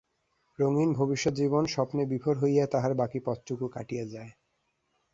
রঙিন ভবিষ্যৎ জীবন-স্বপ্নে বিভোর হইয়া তাহার বাকি পথটুকু কাটিয়া যায়।